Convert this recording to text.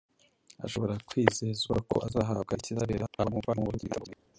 ashobora kwizezwa ko azahabwa ikizabera abamwumva impumuro y’ubugingo itanga ubugingo.